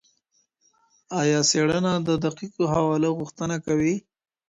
ایا څېړنه د دقیقو حوالو غوښتنه کوي؟